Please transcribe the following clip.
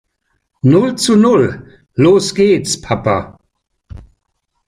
Null zu Null. Los gehts Papa.